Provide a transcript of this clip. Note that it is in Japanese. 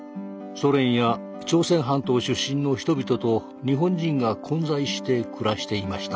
ソ連や朝鮮半島出身の人々と日本人が混在して暮らしていました。